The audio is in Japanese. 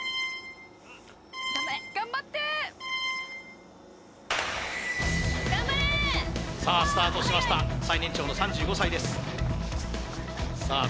頑張れ頑張って頑張れさあスタートしました最年長の３５歳ですさあ